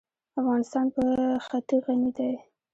افغانستان په ښتې غني دی.